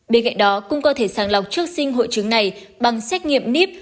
bên cạnh đó cũng có thể sáng lọc trước sinh hội chứng này bằng xét nghiệm níp